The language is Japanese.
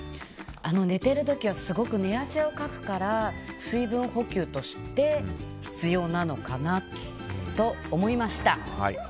寝てる時はすごく寝汗をかくから水分補給として必要なのかなと思いました。